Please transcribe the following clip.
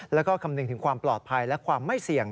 แล้วก็คำนึงถึงความปลอดภัยและความไม่เสี่ยง